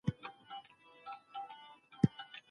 ماشومان مطلب ژر پوهېږي.